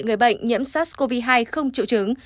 người bệnh nhiễm sars cov hai không triệu chứng